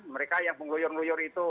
mereka yang menggoyor ngoyor itu